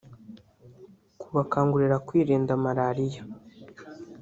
kubakangurira kwirinda Marariya